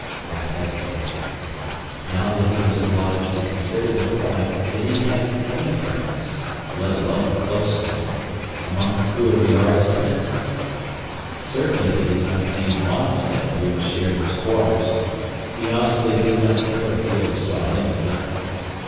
Raf hesitated. Now that he was obliged to consider the point, did he have any friends let alone a close one among the crew of the RS 10? Certainly he did not claim Wonstead who had shared his quarters he honestly did not care if he never saw him again.